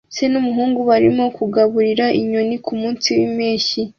Se n'umuhungu barimo kugaburira inyoni kumunsi wimpeshyi